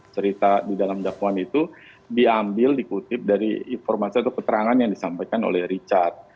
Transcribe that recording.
cerita di dalam dakwaan itu diambil dikutip dari informasi atau keterangan yang disampaikan oleh richard